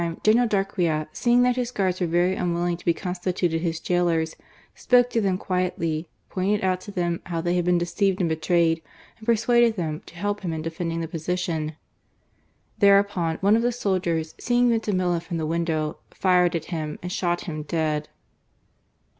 General Darquea, seeing that his guards were very unwilling to be constituted his jailers, spoke to them quietly, pointed out to them how they had been deceived and betrayed, and per suatded them to help him in defending the position. Thereupon one of the soldiers, seeing Vintimilla from the window, fired at him and shot him dead.